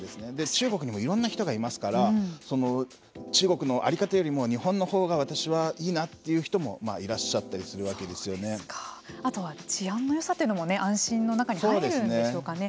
中国にもいろんな人がいますから中国の在り方よりも日本のほうが私はいいなという人もいらっしゃったりするあとは治安のよさというのも安心の中に入るんでしょうかね。